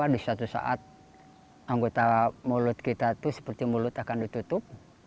di suatu saat anggota mulut kita itu seperti mulut akan ditutup